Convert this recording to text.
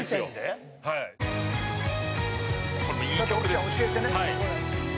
「奥ちゃん教えてね」